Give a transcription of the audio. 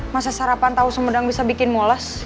masa sarapan tahu sumedang bisa bikin mules